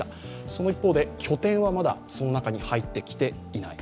その一方で、拠点はまだその中に入ってきていない。